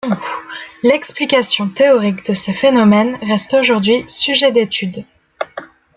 L'explication théorique de ce phénomène reste aujourd'hui sujet d'étude.